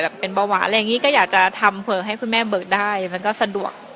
เป็นเบาหวานอะไรอย่างนี้ก็อยากจะทำเผื่อให้คุณแม่เบิกได้มันก็สะดวก